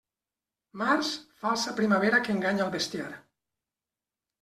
Març, falsa primavera que enganya al bestiar.